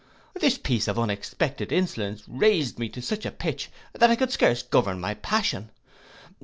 This piece of unexpected insolence raised me to such a pitch, that I could scare govern my passion.